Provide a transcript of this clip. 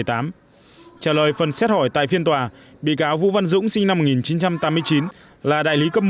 trả lời phần xét hỏi tại phiên tòa bị cáo vũ văn dũng sinh năm một nghìn chín trăm tám mươi chín là đại lý cấp một